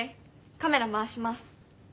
カメラ回します。